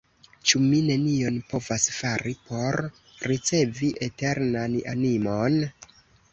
Ĉu mi nenion povas fari, por ricevi eternan animon?